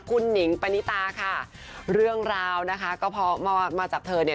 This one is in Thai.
คุณหนิงปณิตาค่ะเรื่องราวนะคะก็พอมาจากเธอเนี่ย